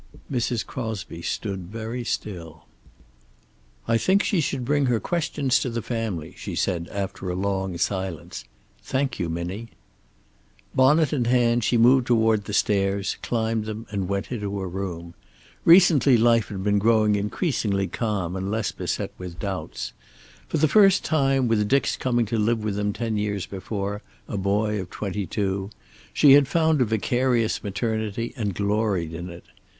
Mrs. Crosby stood very still. "I think she should bring her questions to the family," she said, after a silence. "Thank you, Minnie." Bonnet in hand, she moved toward the stairs, climbed them and went into her room. Recently life had been growing increasingly calm and less beset with doubts. For the first time, with Dick's coming to live with them ten years before, a boy of twenty two, she had found a vicarious maternity and gloried in it.